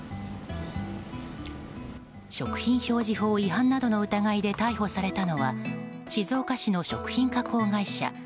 食品表示法違反などの疑いで逮捕されたのは静岡市の食品加工会社